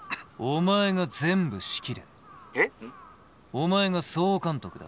お前が総監督だ。